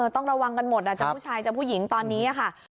ต้องระวังกันหมดจะผู้ชายจะผู้หญิงตอนนี้ค่ะ